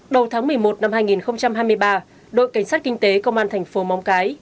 đầu tháng một mươi một năm hai nghìn hai mươi ba đội cảnh sát kinh tế công an thành phố móng cái